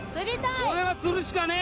これは釣るしかねえ！